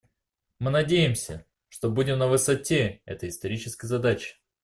Мы надеемся, что будем на высоте этой исторической задачи.